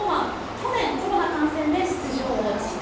去年、コロナ感染で出場を辞退。